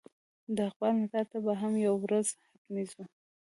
د اقبال مزار ته به هم یوه ورځ حتمي ځو.